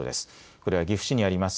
これは岐阜市にあります